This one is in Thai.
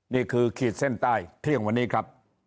ขีดเส้นใต้เที่ยงวันนี้ครับ